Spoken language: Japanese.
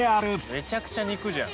めちゃくちゃ肉じゃん。